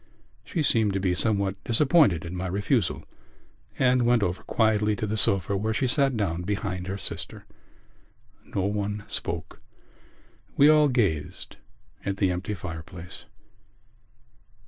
She seemed to be somewhat disappointed at my refusal and went over quietly to the sofa where she sat down behind her sister. No one spoke: we all gazed at the empty fireplace.